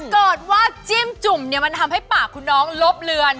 เกิดว่าจิ้มจุ่มเนี่ยมันทำให้ปากคุณน้องลบเลือน